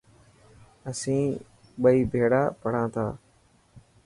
اسين ٻئي ڀيڙا پڙهان ٿا.